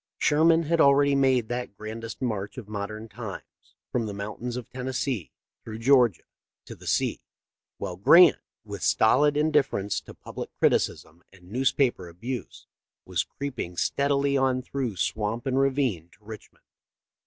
Sherman had already made that grandest march of modern times, from the mountains of Tennessee through Georgia to the sea, while Grant, with stolid indifference to public criticism and newspaper abuse, was creeping stead ily on through swamp and ravine to Richmond.